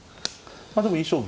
まあでもいい勝負。